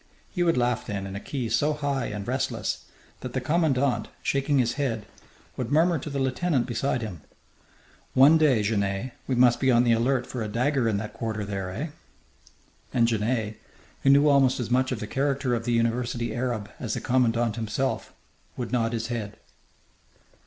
He would laugh then in a key so high and restless that the commandant, shaking his head, would murmur to the lieutenant beside him, "One day, Genet, we must be on the alert for a dagger in that quarter there, eh?" And Genet, who knew almost as much of the character of the university Arab as the commandant himself, would nod his head.